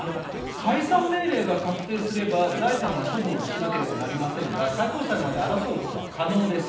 解散命令が確定すれば財産は処分しなければなりませんが最高裁まで争うことは可能です。